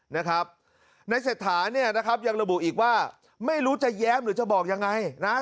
นะครับในเศรษฐาเนี่ยนะครับยังระบุอีกว่าไม่รู้จะแย้มหรือจะบอกยังไงนะฮะ